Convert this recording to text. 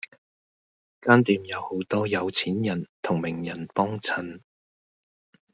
間店有好多有錢人同名人幫襯